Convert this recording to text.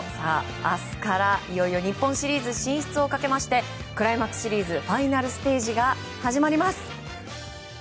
明日から、いよいよ日本シリーズ進出をかけましてクライマックスシリーズファイナルステージが始まります。